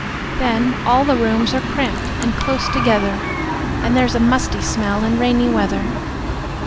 Then, all the rooms are cramped and close together; And there's a musty smell in rainy weather.